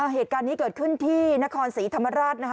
เหตุการณ์นี้เกิดขึ้นที่นครศรีธรรมราชนะคะ